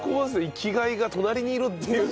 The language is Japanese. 生きがいが隣にいるっていう。